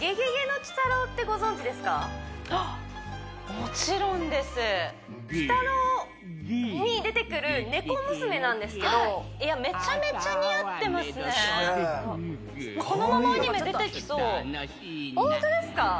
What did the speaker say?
もちろんです「鬼太郎」に出てくるねこ娘なんですけどいやめちゃめちゃ似合ってますねきれいかわいいこのままアニメに出てきそうホントですか！？